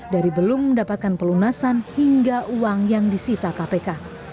dari belum mendapatkan pelunasan hingga uang yang disita kpk